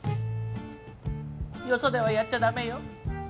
よそではやっちゃ駄目よ。